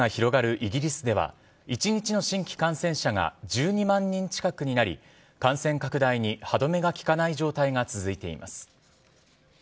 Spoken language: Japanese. イギリスでは１日の新規感染者が１２万人近くになり感染拡大に歯止めが利かない状態が続いています。